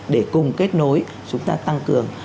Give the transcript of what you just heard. để cùng kết nối chúng ta tăng cường